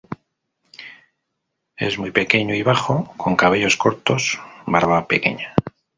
Es muy pequeño y bajo, con cabellos cortos barba pequeña.